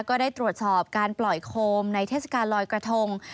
ก็ได้ตรวจสอบการปล่อยโคมในเทศกาลลอยกระทง